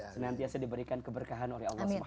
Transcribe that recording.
senantiasa diberikan keberkahan oleh allah swt